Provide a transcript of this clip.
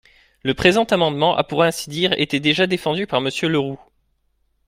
Le présent amendement a pour ainsi dire été déjà défendu par Monsieur Le Roux.